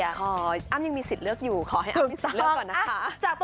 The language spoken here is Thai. อ้อมยังมีสิทธิ์เลือกอยู่ขอให้อ้ำพี่สันเลือกก่อนนะคะ